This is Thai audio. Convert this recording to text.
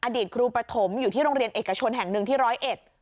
อดีตครูประถมอยู่ที่โรงเรียนเอกชนแห่งหนึ่งที่ร้อยเอ็ด